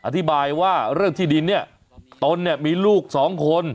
อธิบายว่าเรื่องที่ดินเนี่ยตนเนี่ยมีลูกสองคน